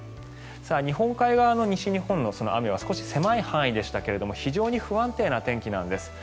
日本海側の西日本の雨は少し狭い範囲でしたが非常に不安定な天気なんです。